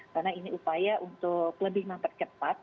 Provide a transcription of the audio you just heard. karena ini upaya untuk lebih mempercepat